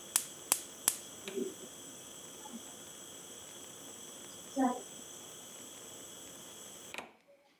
nazar kama hirizi Wazazi huweka macho kwa watoto wao